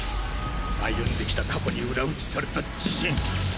歩んできた過去に裏打ちされた自信。